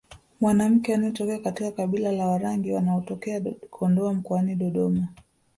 Mwanamke anayetokea katika kabila la Warangi wanaotokea Kondoa mkoani Dodoma